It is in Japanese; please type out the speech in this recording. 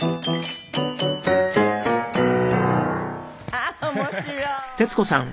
ああ面白い！